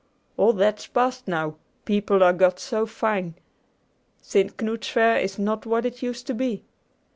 All that's past now, people are got so fine. St. Knud's Fair is not what it used to be."